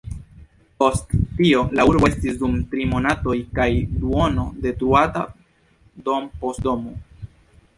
Post tio la urbo estis dum tri monatoj kaj duono detruata dom' post domo.